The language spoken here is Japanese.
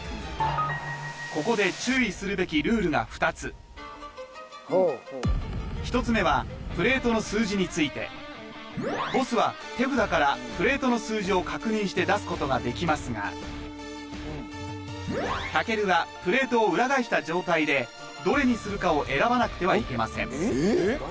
ここで注意するべきルールが２つ１つ目はプレートの数字についてボスは手札からプレートの数字を確認して出すことができますが健はプレートを裏返した状態でどれにするかを選ばなくてはいけません